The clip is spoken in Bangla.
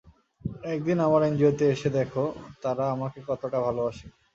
একদিন আমার এনজিওতে এসে দেখো, তারা আমাকে কতটা ভালোবাসে।